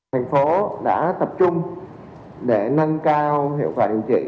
thành phố đã tập trung để nâng cao hiệu quả điều trị